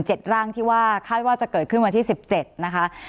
เจ็ดร่างที่ว่าคาดว่าจะเกิดขึ้นวันที่๑๗นะคะ